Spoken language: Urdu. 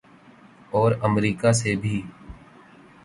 اور امریکہ سے بھی۔